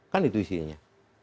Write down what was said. kan itu isinya